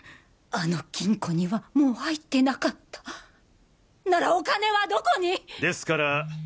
あの金庫にはもう入ってなかったならお金はどこに！？ですから。